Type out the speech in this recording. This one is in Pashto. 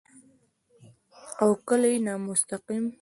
او کله يې نامستقيم